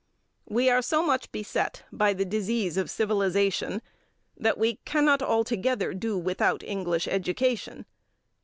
We are so much beset by the disease of civilization, that we cannot altogether do without English education.